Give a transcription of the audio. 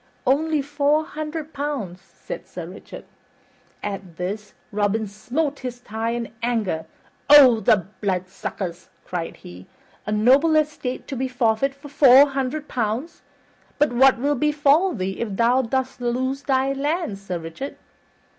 "Only four hundred pounds," said Sir Richard. At this, Robin smote his thigh in anger. "O the bloodsuckers!" cried he. "A noble estate to be forfeit for four hundred pounds! But what will befall thee if thou dost lose thy lands, Sir Richard?"